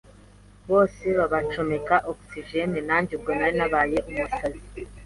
bose babacomeka oxygene, nanjye ubwo nari nabaye umusazi,